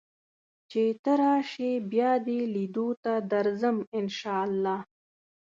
چې ته راشې بیا دې لیدو ته درځم ان شاء الله